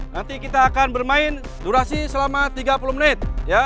nanti kita akan bermain durasi selama tiga puluh menit